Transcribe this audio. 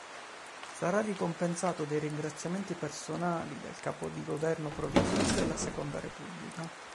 Sarà ricompensato dai ringraziamenti personali del Capo di Governo provvisorio della Seconda Repubblica.